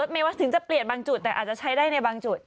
ไม่ว่าถึงจะเปลี่ยนบางจุดแต่อาจจะใช้ได้ในบางจุด